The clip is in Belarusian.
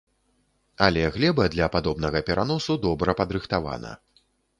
Але глеба для падобнага пераносу добра падрыхтавана.